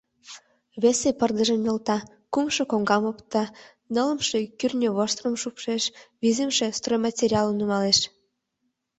Весе пырдыжым нӧлта, кумшо коҥгам опта, нылымше кӱртньывоштырым шупшеш, визымше стройматериалым нумалеш.